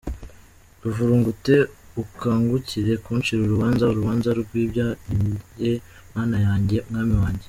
Ivurugute ukangukire kuncira urubanza, Urubanza rw’ibyanjye Mana yanjye, Mwami wanjye.